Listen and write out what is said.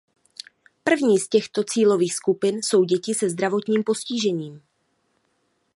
První z těchto cílových skupin jsou děti se zdravotním postižením.